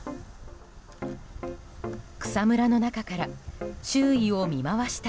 草むらの中から周囲を見回した